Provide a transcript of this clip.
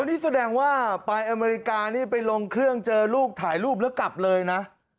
นี่แสดงว่าไปอเมริกานี่ไปลงเครื่องเจอลูกถ่ายรูปแล้วกลับเลยนะ